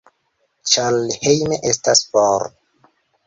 Ĉar hejme estas for